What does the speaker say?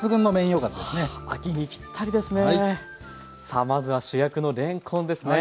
さあまずは主役のれんこんですね。